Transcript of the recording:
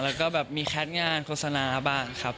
แล้วก็แบบมีแคทงานโฆษณาบ้างครับ